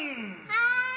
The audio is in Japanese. はい！